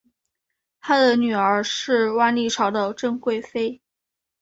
他的女儿是万历朝的郑贵妃。